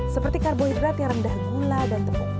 seperti karbohidrat yang rendah gula dan tepuk